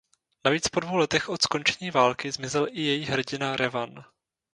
Navíc po dvou letech od skončení války zmizel i její hrdina Revan.